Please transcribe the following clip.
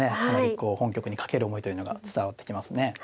かなりこう本局に懸ける思いというのが伝わってきますね。